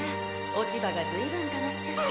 落ち葉がずいぶんたまっちゃって。